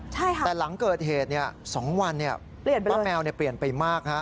ใช่ค่ะแต่หลังเกิดเหตุ๒วันป้าแมวเปลี่ยนไปมากฮะ